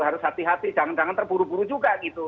harus hati hati jangan jangan terburu buru juga gitu